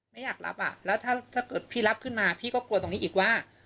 ไม่อยากรับอ่ะแล้วถ้าเกิดพี่รับขึ้นมาพี่ก็กลัวตรงนี้อีกว่า